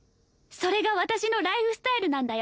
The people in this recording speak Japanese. それが私のライフスタイルなんだよ。